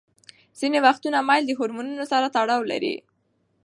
ځینې وختونه میل د هورمونونو سره تړاو نلري.